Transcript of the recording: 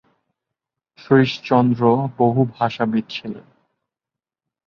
শ্রীশচন্দ্র বহু ভাষাবিদ ছিলেন।